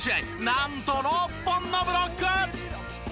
なんと６本のブロック！